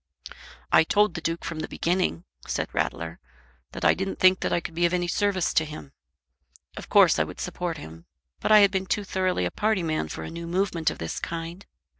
"I told the Duke from the beginning," said Rattler, "that I didn't think that I could be of any service to him. Of course, I would support him, but I had been too thoroughly a party man for a new movement of this kind.